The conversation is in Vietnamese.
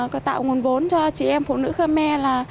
có tạo nguồn vốn cho chị em phụ nữ khơ me là